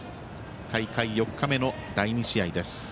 大会４日目の第２試合です。